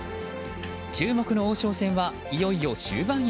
注目の王将戦はいよいよ終盤戦へ。